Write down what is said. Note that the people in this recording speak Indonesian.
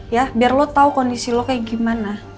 ya biar lo tahu kondisi lo kayak gimana